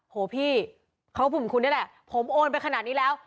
โหพี่เขาก็ภูมิคุณนี่แหละผมโอนไปขนาดนี้แล้ว